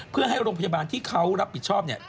เพื่อให้โรงพยาบาลที่เขารับผิดชอบเนี่ย